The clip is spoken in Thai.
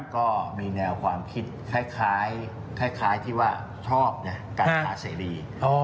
ก็มีแนวความคิดคล้ายที่ว่าชอบการหาเสรี